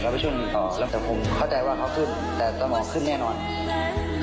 ก็อยู่ท้ายเรือไงเชื่อคนอยู่